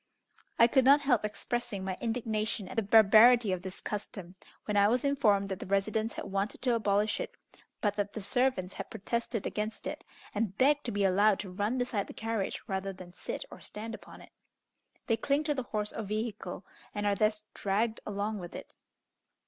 I could not help expressing my indignation at the barbarity of this custom, when I was informed that the residents had wanted to abolish it, but that the servants had protested against it, and begged to be allowed to run beside the carriage rather than sit or stand upon it. They cling to the horse or vehicle, and are thus dragged along with it.